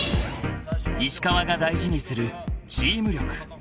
［石川が大事にするチーム力］